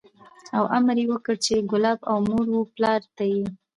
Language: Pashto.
او امر یې وکړ چې کلاب او مور و پلار ته یې